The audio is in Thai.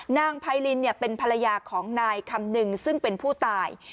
ไพรินเป็นภรรยาของนายคำนึงซึ่งเป็นผู้ตาย